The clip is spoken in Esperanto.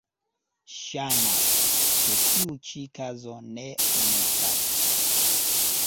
Ŝajnas, ke tiu ĉi kazo ne unikas.